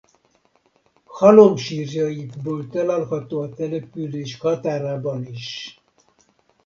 Halomsírjaikból található a település határában is.